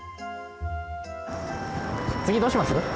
「次どうします？」。